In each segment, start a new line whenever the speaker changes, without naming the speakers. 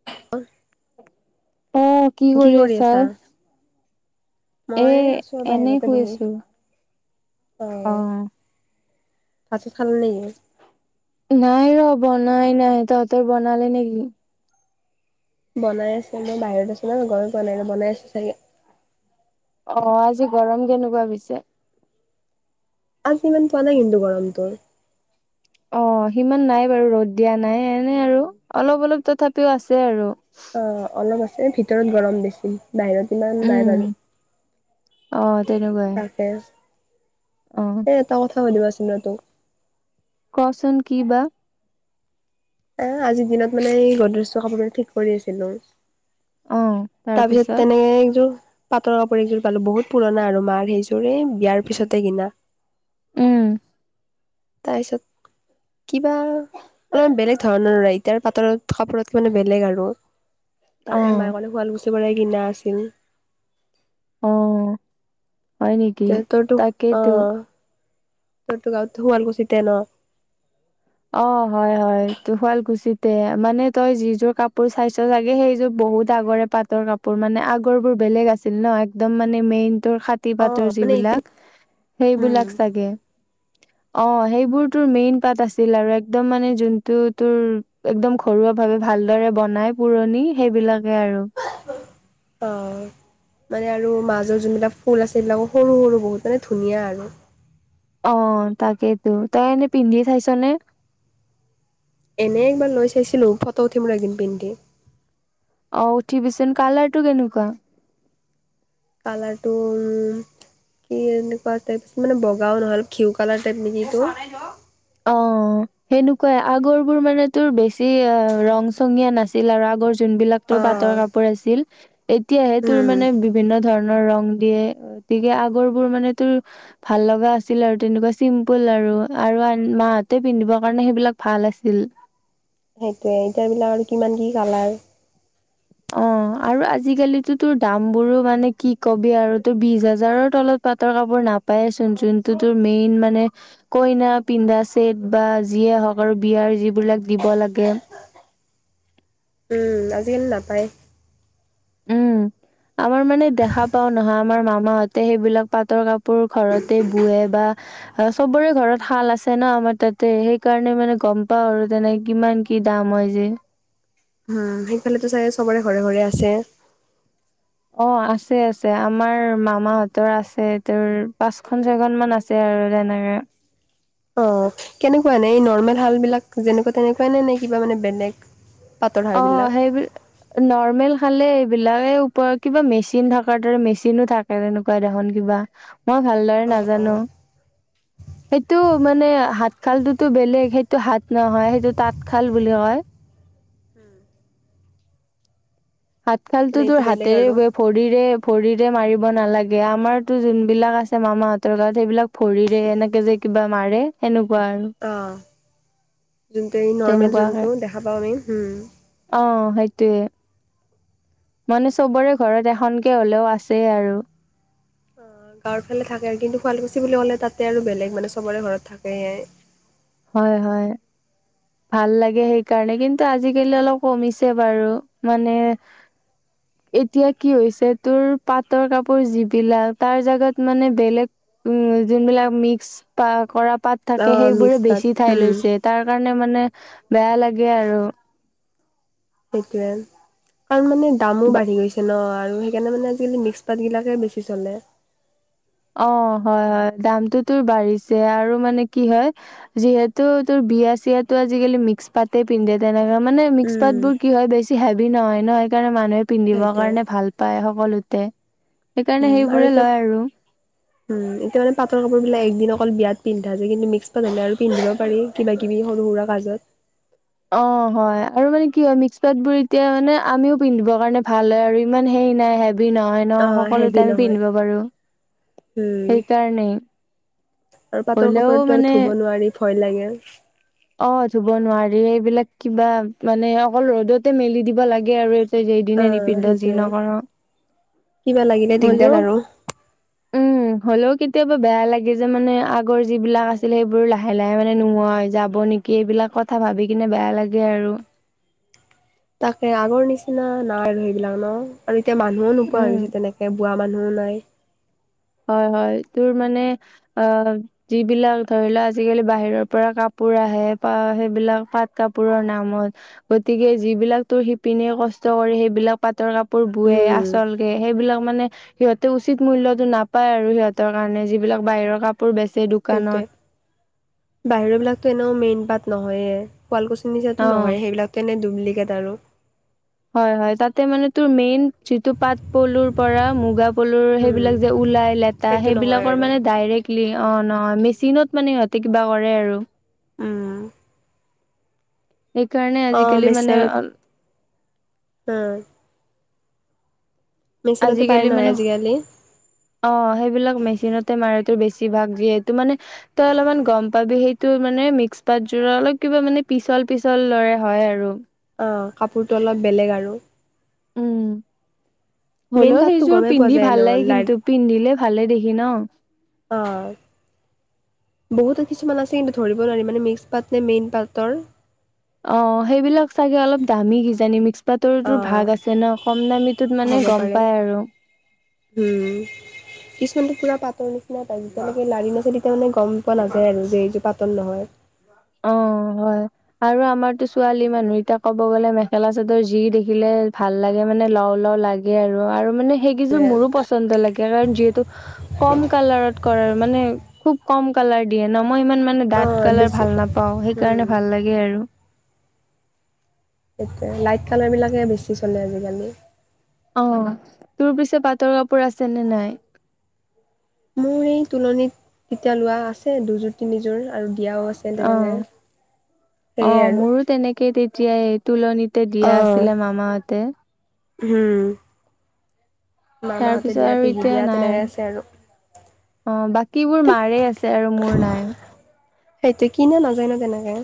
[inaudible]
অ' কি কৰি আছা? এ
মই আছো
এনেই
বাহিৰতে
শুই
বহি।
আছো
অ ভাত খালে নেকি?
নাই ৰ বনাই নাই তহঁতৰ বনালে নেকি?
বনাই আছে মই বাহিৰত আছো মই গমেই পোৱা নাই বনাই আছো চাগে
অ' আজি গৰম কেনেকুৱা পিছে
আজি ইমান পোৱা নাই কিন্তু গৰমটো
অ' সিমান নাই বাৰু ৰ'দ দিয়া নাই এনে আৰু অলপ অলপ তথাপিও আছে আৰু
অ' অলপ আছে ভিতৰত গৰম বেছি বাহিৰত ইমান নাই
উম
বাৰু
অ' তেনেকুৱাই
তাকে।
অ'
এ এটা কথা সুদিব আছিলে তোক
কচোন কি বা
এ আজিৰ দিনত মানে এই গদ্ৰেজ কাপোৰ কানি ঠিক কৰি আছিলো তাৰপিছত তেনেকে একযোৰ পাটৰ কাপোৰ এইযোৰ পালো বহুত পুৰণা আৰু মাৰ সেইযোৰ এই বিয়াৰ পিছতে কিনা
উম
তাৰপিছত কিবা অ' বেলেগ ধৰণৰ এতিয়া পাতৰ কাপোৰত মানে বেলেগ আৰু
অ
তাকে মাই কলে শুৱালকুছি বৰে কিনা আছিল
অ' হয় নেকি
তে
তাকেইতো
ক' গাঁৱতো শুৱালকুছিতে নহ
অ' হয় হয় তটো শুৱাল কুছিতে মানে তই যিযোৰ কাপোৰ চাইছ চাগে সেইযোৰ বহুত আগৰে পাতৰ কাপোৰ মানে আগৰ বোৰ বেলেগ আছিল ন একদম- মানে মেইন টো হাত তি
অ
পাতৰ
মানে এতিয়া
যিবিলাক
হুম
সেইবিলাক চাগে অ' সেইবোৰ তোৰ মেইন পাত আছে ছিল আৰু একদম মানে যোনটো তোৰ একদম ঘৰুৱা ভাৱে ভালদৰে বনাই পুৰণি সেইবিলাকে আৰু
অ' মানে আৰু মাজৰ যোনবিলাক ফুল আছে এইবিলাকো সৰু সৰু বহুত মানে ধুনীয়া আৰু
অ' তাকেইতো তই এনে পিন্ধি চাইছ নে
এনে একবাৰ লৈ চাইছিলো ফটো উঠিম একদিন পিন্ধি
অ উঠিবিচোন কালাৰ টো কেনেকুৱা?
কালাৰটো উম! কি এনেকুৱা টাইপ মানে বগাও নহল ঘিউ কালাৰ টাইপ নেকি এইটো
অ সেনেকুৱাই আগৰ বোৰ মানে তোৰ বেছি অ ৰং চঙীয়া নাছিল। আগৰ যোন বিলাক
অ
তোৰ পাতৰ কাপোৰ আছিল এতিয়াহে তোৰ
উম
মানে বিভিন্ন ধৰণৰ ৰং দিয়ে গতিকে আগৰ বোৰ মানে তোৰ ভাল লগা আছিল আৰু তেনেকুৱা চিম্পুল আৰু আৰু মাহতে পিন্ধিবৰ কাৰণে সেইবিলাক ভাল আছিল।
সেইটোয়ে এতিয়া বিলাক আৰু কিমান কি কালাৰ
অ আৰু আজিকালি তোৰ দাম বোৰো মানে কি কবি আৰু তোৰ বিশ হাজাৰৰ তলত- পাটৰ কাপোৰ নাপায়চোন যোনটো তোৰ মেইন মানে কইনা পিন্ধা ছেট বা যিয়ে হওক আৰু বিয়াৰ যিবিলাক দিব লাগে।
উম আজি-কালি নাপায়।
উম আমাৰ মানে দেখা পাও নহা। আমাৰ মামাহঁতে সেইবিলাক পাটৰ কাপোৰ ঘৰতে বোৱে বা অ চবৰে ঘৰত শাল আছে ন আমাৰ তাতে সেইকাৰণে মানে গম পাও আৰু তেনে কিমান কি দাম মই যে-
উম সেইফালেতো চাগে চবৰে ঘৰে ঘৰে আছে।
অ আছে আছে আমাৰ মামাহঁতৰ আছে তোৰ পাঁচখন ছয়খন মান আছে। [unintelligible]
অ কেনেকুৱা নে এই নৰ্মেল হাল বিলাক যেনেকুৱা তেনেকুৱা নে নে কিবা মানে বেলেগ। পাটৰ
অ
শালবিলাক?
সেইবিলাক নৰ্মেল হালে এইবিলাকে ওপৰত কিবা মেচিন থকাৰ দৰে মেচিনো থাক তেনেকুৱাই দেখোন কিবা মই ভালদৰে
অ',
নাজানো।
[inaudible]
সেইটো মানে হাত খাল তো বেলেগ সেইটো হাত নহয় সেইটো তাঁতশাল বুলি কয়। হাত
মানে
খালতো
এইটো
তোৰ
বেলেগ
হাতেৰে
আৰু।
বয়। ভৰিৰে ভৰিৰে মাৰিব নালাগে আমাৰতো যোনবিলাক আছে মামাহঁতৰ গত সেইবিলাক- ভৰিৰে এনেকৈ যে কিবা মাৰে। সেনেকুৱা আৰু-
অ যোনটো এই নৰ্মেল
তেনেকুৱাকে
যোনটো দেখা পাওঁ আমি-
অ সেইটোৱে- মানে চবৰে ঘৰত এখনকে হলেও আছেই আৰু-
অ গাঁৱৰ ফালে থাকে আৰু কিন্তু শুৱালকুছি বুলি ক'লে তাতে আৰু বেলেগ মানে চবৰে ঘৰত থাকে।
হয় হয়। ভাল লাগে সেইকাৰণে কিন্তু আজিকালি অলপ কমিছে বাৰু মানে।
[inaudible]
এতিয়া কি হৈছে তোৰ পাটৰ কাপোৰ যিবিলাক তাৰ জাগাত মানে বেলেগ। উম যোনবিলাক মিক্স প কৰা পাত।
অ' মিক্স পাত।
চাই লৈছে তাৰ কাৰণে মানে বেয়া লাগে আৰু।
সেইটোয়ে তাৰ মানে দামো
বা
বাঢ়ি গৈছে ন আৰু। কেলে মানে আজিকাল মিক্স পাতবিলাকেই বেছি চলে।
অ' হয় হয়, দামটোতো বাঢ়িছে আৰু মানে কি হয়। যিহেতু তোৰ বিয়া চিয়াতটো আজিকালি মিক্স পাতে পিন্ধে তেনেকাে। মানে মিক্স
উম,
পাত বোৰ কি হয় বেছি হেভি নহয় ন, সেইণে মানুহে পিন্ধিবৰ
সেইটোৱে।
কাৰণে ভাল। পায় সকলোতে। সেইকাৰণে
উম আৰু
সেইবোৰে
এতিয়া।
লয়
উম, এতিয়া মানে পাটৰ কাপোৰ বিলাক একদিন অকল বিয়াত পিন্ধা য কিন্তু মিক্স পা নলে আৰু পিন্ধিব পাৰি। কিবাকিবি সৰু সুৰা কাজত।
অ' হয় আৰু মানে কি হয় মিক্স পাত বোৰ এতিয়া মানে আমিও পিন্ধিবৰ কাৰণে ভাল হয় আৰু ইমান হেৰি নাই। নহয় ন,
অ' হেভি
সকলোতে আমি
নহয়।
পিন্ধিব পাৰো
উম
সেইকাৰণেই।
আৰু পাটৰ কাপোৰো আৰু টো ধুব নোৱাৰি ভয় লাগে।
অ' ধুব নোৱাৰি এইবিলাক কিবা মানে অকল ৰ'দতে মেলি দিব লাগে আৰু। এদিনে
অ'
নিপিন্ধ যি
সেইটোয়ে।
নকৰ হলেও। উম
উ
হ'লেও কেতিয়াবা বেয়া লাগে যে মানে আগৰ যিবিলাক আছিল সেইবোৰ লাহে - লাহে মানে নোহোৱা হৈ যাব। যাব নেকি এইবিলাক কথা ভাবি কিনে বেয়া লাগে আৰু।
তাকে আগৰ নিচিনা নাই আৰু সেইবিলাক ন আৰু এতিয়া মানুহও নোপোৱা
উম
হৈছে তেনেকে। খোৱা মানুহও নাই।
হয় হয়, তোৰ মানে অ'। যিবিলাক ধৰি লও আজিকালি বাহিৰৰ পৰা কাপোৰ আহে প সেইবিলাক পাট কাপোৰৰ নামত। গতিকে যিবিলাক তোৰ শিপিনীয়ে কষ্ট কৰে সেইবিলাক। পাটৰ কাপোৰ বোৱে
উম
আচল কে সেইবিলাক মানে সিহঁতে উচিত মূল্যটো নাপ। পায় আৰু সিহঁতৰ কাৰণে যিবিলাক বাহিৰৰ কাপোৰ বেচে
সেইটোৱে
দোকানত।
বাহিৰৰ বিলাকতো এনেও মেইন পাত নহয়ে, শুৱালকুছিৰ নিচিনা
অ
টো নহয়ে সেইবিলাক। তেনে ডুপ্লিকেত আৰু।
হয় হয়, তাতে মানে তোৰ মেইন যিটো পাট পলুৰ পৰা মুগা। সকলোৰ
উম
সেইবিলাক যে ওলাই লেতা
সেইটো নহয়
সেইবিলাকৰ
আৰু
মানে ডাইৰেক্ট। অ' নহয় মেচিনত মানে সিহঁতে কিবা কৰে আৰু।
উম।
সেইকাৰণে
অ',
আজিকালি মানে অ'।
উম। মেচিনতে পাৰে
আজিকালি
নহয়
মানে।
আজিকালি।
অ' সেইবিলাক মেচিনতে মাৰে তো বেছি ভাগ যিহেটো মানে। তই অলপমান গম পাবি সেইটো মানে মিক্স পাতযোৰত অলপ কিবা মানে পিচল পিচল দৰে হয় আৰু।
অ' কাপোৰটো অলপ বেলেগ আৰু।
উম
মেইন
হ'লেও
পাতটো
সেইযোৰ
গমেই পোৱা
পিন্ধি
যায় ন
ভাল লাগে
লাই
কিন্তু। পিন্ধিলে ভালে দেখি ন।
হয়। বহুতো কিছুমান আছে কিন্তু ধৰিব নোৱাৰি মানে মিক্স পাত নে মেইন পাতৰ।
অ সেইবিলাক চাগে, অলপ দামী কিজানি মিক্স পাটৰতো
অ',
ভাগ আছে ন কম দামীটোত
হ'ব
মানে গম
পাৰে
পাই আৰু
উম। কিছুমানটো পূৰা পাতৰ নিচিনা পায় যেতিয়ালৈকে লাৰি নাচায় তেতিয়ালেকে মানে গম পোৱা নাযায় আৰু যে এইযোৰ পাটৰ নহয়।
অ হয়। আৰু আমাৰতো ছোৱালী মানুহ এতিয়া ক'ব গ'লে মেখেলা চাদৰ যি দেখিলে ভাল লাগে মানে লও লও লাগে। আৰু আৰু মানে সেইকেইযোৰ মোৰো পচন্দ লাগে, কাৰণ যিহেতু কম কালাৰত কৰে মানে খুব কম কালাৰ দিয়ে ন মই ইমান মানে ডাঠ
অ',
কালাৰ
বেছি
ভাল নাপাও সেইকাৰণে
উম,
ভাল লাগে আৰু।
তাকে লাইট কালাৰ বিলাকে বেছি চলে আজিকালি।
অ, তোৰ পিছে পাটৰ কাপোৰ আছে নে নাই?
মোৰ এই তোলনীত তেতিয়া লোৱা আছে, দুযোৰ তিনিযোৰ আৰু দিয়াও আছে।
অ,
তেনেকে।
অ
সেয়ে আৰু
মোৰো তেনেকে তেই তেতিয়াই, তোলনিতে দিয়া
অ',
আছিলে মামাহঁতে।
হম
তাৰ
মামাহঁতে
পিছত
দিয়া
আৰু
পেহী
এতিয়া
দিয়া
নাই
তেনেকে
আৰু।
আছে
অ বাকীবোৰ মাৰে আছে আৰু মোৰ নাই।
সেইটো কিনা নাযায় ন তেনেকে?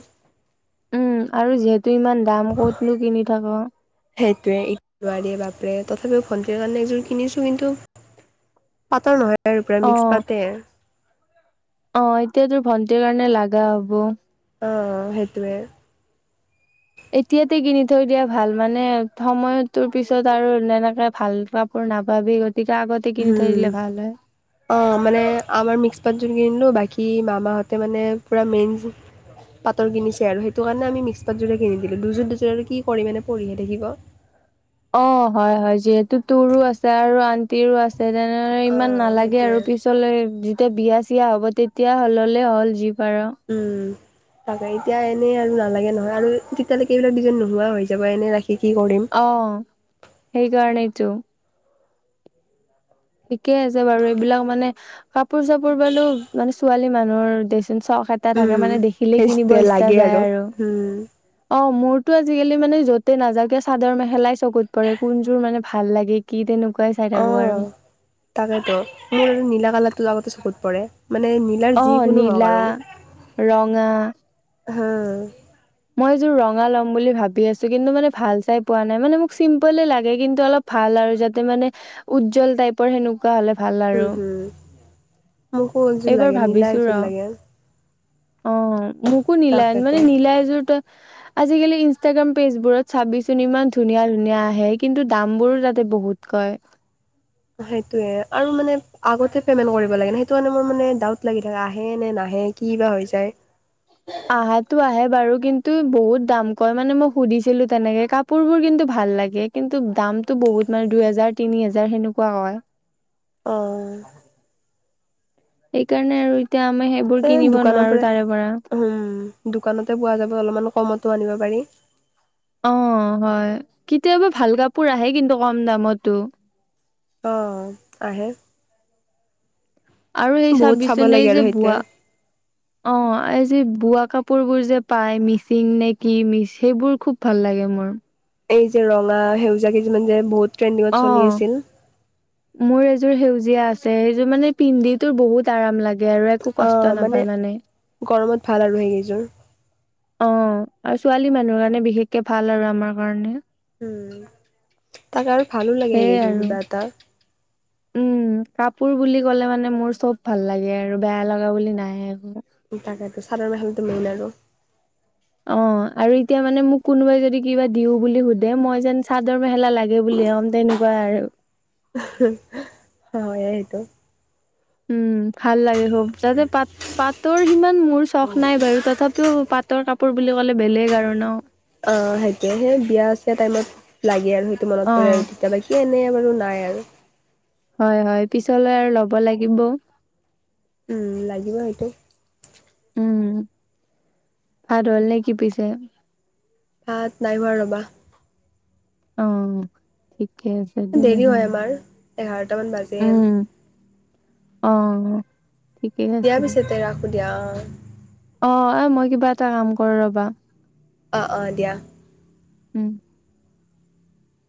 উম আৰু যিহেতু ইমান দাম ক'তনো কিনি থাক।
সেইটোৱে ই বীয়াৰ যে বাপৰে তথাপিও ভণ্টিৰ কাৰণে এযোৰ কিনিছো কিন্তু পাতৰ নহয়। আৰু পুৰা মিক্স
অঁ,
পাতে।
অঁ এতিয়া তোৰ ভন্টিৰ কাৰণে লাগা হ'ব।
অঁ সেইটোৱে।
এতিয়াতে কিনি থৈ দিয়াই ভাল। মানে সময় তোৰ পিছত আৰু এনেকে ভালকে। মোৰ নাপাবি গতিকে আগত
হম। অ মানে আমাৰ মিক্স পযোৰ কিনিলো বাকী মামাহঁতে মানে পুৰা মেইন পাতৰ কিনিছে আৰু সেইটো কাৰণে আমি মিক্স পাতযোৰে কিনি দিলো দুযোৰ দুযোৰ আৰু কি কৰি মানে পৰিহে থাকিব।
অঁ হয় হয় যিহেতু তোৰো আছে আৰু আন্টিৰো আছে। তেনেদৰে ইমান
অ',
নালাগে আৰু
সেইটোৱে।
পিছলে যেতিয়া বিয়া চিয়া চিয় হ'ব তেতিয়া হল হ'লে হল যি পাৰ।
উম। তাকে এতিয়া এনে আৰু নালাগে নহয় আৰু তেতিয়ালৈকে এইবিলাক দুজন নোহোৱা হৈ যাব এনে ৰাখি কি কৰিম?
অ' সেইকাৰণেইটো। ঠিকে আছে বাৰু, এইবিলাক মানে কাপোৰ চাপোৰ বালো মানে ছোৱালী মানুহৰ দেচোন চখ এ এটা থাকে
উম
মানে, দেখিলেই কিনিব
সেই
ইচ্ছা
লাগে
যায় আৰু।
উম
অঁ মোৰতো আজিকালি মানে য'তে নাযাকে চাদৰ মেখেলাই চকুত পৰে, কোনযোৰ মানে ভাল লাগে কি তেনেকুৱাই চাই থাকো
অঁ
আৰু
তাকেতো মোৰ নীলা কালাৰটো লগতে চকুত পৰে মানে নি নীলাৰ
অ
যিকোনো হওঁক
নীলা
আৰু
ৰঙা
হা
মই এযোৰ ৰঙা ল'ম বুলি ভাবি আছো, কিন্তু মানে ভাল চাই পোৱা নাই। মানে মোক চিম্পলে লাগে কিন্তু অলপ ভাল আৰু যাতে মানে, উজ্জ্বল টাইপৰ সেনেকুৱা হ'লে ভাল আৰু
উম হম মোকো এযোৰ
এইবাৰ
লাগে নীলা
ভাবিছো ৰ
এযোৰ লাগে।
অ মোকো নিলাই মানে নিলাই যোৰত
উ
আজিকালি ইনষ্টাগ্ৰাম পেজবোৰত চাবিচোন ইমান ধুনীয়া ধুনীয়া আহে কিন্তু দামবোৰো তাতে বহুত কয়।
সেইটোয়ে আৰু মানে আগতে পেমেন্ট কৰিব লাগে সেইটো কাৰণে মোৰ মানে ডাউট লাগি থাকে আহে নে নাহে কি বা হৈ যায়
আহাতো আহে বাৰু কিন্তু বহুত দাম কয় মানে মই সুধিছিলোঁ তেনেকে কাপোৰ বোৰ কিন্তু ভাল লাগে। কিন্তু দামটো বহুত মানে দুই হেজাৰ তিনি হেজাৰ সেনেকুৱা হয়।
অ
সেইকাৰণে আৰু এতিয়া আমি সেইবোৰ
এ
কিনিব
দোকানৰ
নোৱাৰো তাৰে পৰা
উম দোকানতে পোৱা যাব অলপমান কমতো আনিব পাৰি
অ হয় কেতিয়াবা ভাল কাপোৰ আহে কিন্তু কম দামতো
অ হয় আহে
আৰু সেই
বহুত
চাব্বিছ
চাব লাগে
জনেই
আৰু
যে
সেইটোৱে
ভুৱা অ এই যে বোৱা কাপোৰ বোৰ যে পাই মিচিং নে কি মিচ সেইবোৰ খুব ভাল লাগে মোৰ
এই যে ৰঙা সেউজীয়া কেইযোমান যে বহুত ট্ৰেণ্ডিঙত চলি
অ
আছিল।
মোৰ এযোৰ সেউজীয়া আছে সেইযোৰ মানে পিণ্ডি, তোৰ বহুত আৰাম লাগে আৰু একো কষ্ট নাপায় মানে
গৰমত ভাল আৰু সেইকেইযোৰ
অ আৰু ছোৱালী মানুহ কাৰণে বিশেষকে ভাল আৰু আমাৰ কাৰণে
উম তাকে আৰু ভালো লাগে
সেইয়াই
সেইযোৰ
আৰু
কিবা এটা
উম কাপোৰ বুলি ক'লে মানে মোৰ চব ভাল লাগে আৰু বেয়া লগা বুলি নাহে একো
তাকেইটো চাদৰ মেখেলাতো মেইন আৰু
অ
উ
আৰু এতিয়া মানে মোক কোনোবাই যদি কিবা দিও বুলি সোধে মই যেন চাদৰ মেখেলা লাগে বুলি ক'ম তেনেকুৱা বাৰু
হয় এইটো
উম ভাল লাগে হব যাতে পাত পাতৰ সিমান মোৰ চখ নাই বাৰু তথাপিও পাত পাতৰ কাপোৰ বুলি ক'লে বেলেগ আৰু ন
অ সেইটোয়ে সেই বিয়া ছিয়া টাইমত লাগে আৰু সেইটো মনত পৰে
অ
আৰু তেতিয়া এ এনেই বাৰু নাই আৰু
হয় হয় পিছলৈ আৰু ল'ব লাগিব
উম লাগিব সেইটো
উম ভাত হল নে কি পিছে?
ভাত নাই হোৱা ৰ'বা।
অ ঠিকে আছে দে
দেৰি হয়
জনাম
আমাৰ এঘাৰটামান বাজে
উম অ ঠিকে আছে
দিয়া
দে
পিছতে ৰাখো দিয়া অ
অ এ মই কিবা এটা কাম কৰোঁ ৰবা
অঁ অঁ দিয়া
উম